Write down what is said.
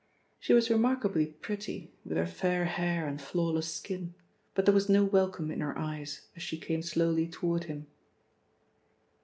She was remarkably pretty, with her fair hair and flawless skin, but there was no welcome in her eyes as she came slowly toward him.